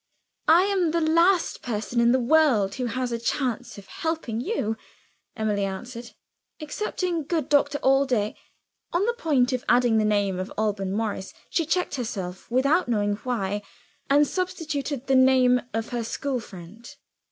"I am the last person in the world who has a chance of helping you," Emily answered. "Excepting good Doctor Allday " On the point of adding the name of Alban Morris, she checked herself without knowing why, and substituted the name of her school friend.